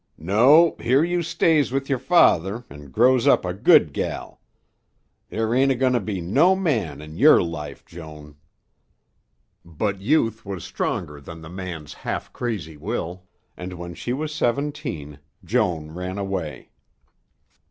"No, here you stays with yer father an' grows up a good gel. There ain't a goin' to be no man in yer life, Joan." But youth was stronger than the man's half crazy will, and when she was seventeen, Joan ran away.